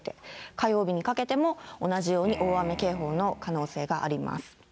火曜日にかけても同じように大雨警報の可能性があります。